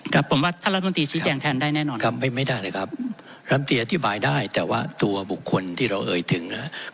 ครับผมว่าท่านรัฐมนตรีชี้แจงแทนได้แน่นอนครับไม่ได้เลยครับรำตีอธิบายได้แต่ว่าตัวบุคคลที่เราเอ่ยถึงนะครับ